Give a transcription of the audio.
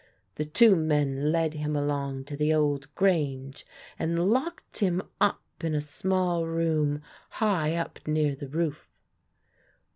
The two men led him along to the old grange and locked him up in a small room, high up near the roof.